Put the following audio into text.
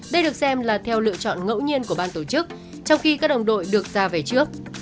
đây được xem là theo lựa chọn ngẫu nhiên của ban tổ chức trong khi các đồng đội được ra về trước